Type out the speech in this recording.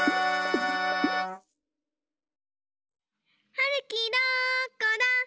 はるきどこだ？